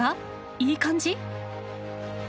いい感じ？